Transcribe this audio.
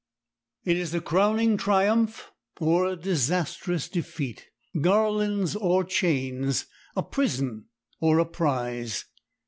It is a crowning triumph or a disastrous defeat, garlands or chains, a prison or a prize.